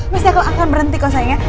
masyarakat akan berhenti kok sayang ya